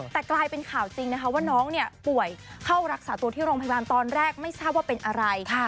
แต่กลายเป็นข่าวจริงนะคะว่าน้องป่วยเข้ารักษาตัวที่โรงพยาบาลตอนแรกไม่ทราบว่าเป็นอะไร